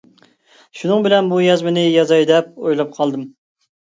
شۇنىڭ بىلەن بۇ يازمىنى يازاي دەپ ئويلاپ قالدىم.